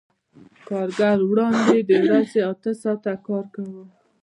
کارګر وړاندې د ورځې اته ساعته کار کاوه